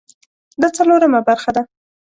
دا څلورمه برخه ده